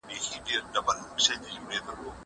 کېدای سي لاس ککړ وي!!